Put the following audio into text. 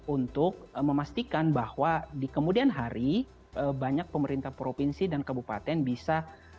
untuk memastikan bahwa di kemudian hari banyak pemerintah provinsi dan kabupaten bisa